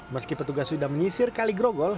meski petugas sudah mengisir kali grogol